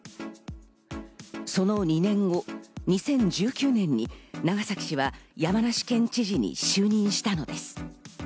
その２年後、２０１９年に長崎氏は山梨県知事に就任したのです。